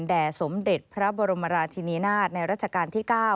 สมเด็จพระบรมราชินีนาฏในรัชกาลที่๙